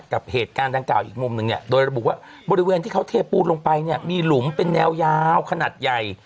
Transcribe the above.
กับเหตุการณ์ดังกล่าวอีกมุมหนึ่งเนี่ยโดยระบุว่าบริเวณที่เขาเทปูนลงไปเนี่ยมีหลุมเป็นแนวยาวขนาดใหญ่